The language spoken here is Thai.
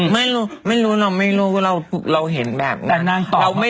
ไม่รู้ไม่รู้เราไม่รู้เราเห็นแบบนั้น